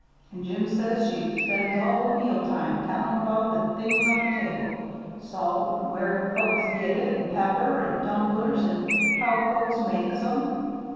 An' Jim says she spends all o' meal time tellin' 'bout the things on the table, salt, an' where folks git it, an' pepper, an' tumblers, an' how folks make 'em.